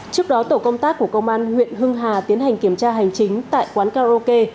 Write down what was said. trước đó tổ công tác của công an huyện hưng hà tiến hành kiểm tra hành chính tại quán karaoke